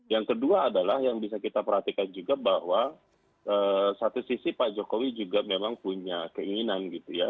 yang kedua adalah yang bisa kita perhatikan juga bahwa satu sisi pak jokowi juga memang punya keinginan gitu ya